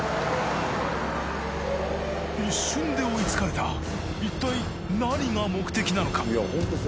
一瞬で追いつかれた一体何が目的なのか？